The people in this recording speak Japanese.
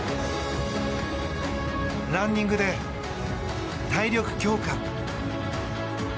ランニングで体力強化。